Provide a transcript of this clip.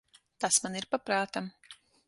Tas man ir pa prātam.